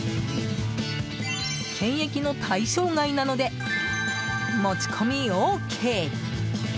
検疫の対象外なので持ち込みＯＫ。